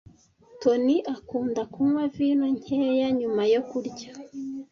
Toni akunda kunywa vino nkeya nyuma yo kurya.